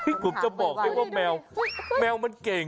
พี่กลุ่มจะบอกให้ว่าแมวแมวมันเก่ง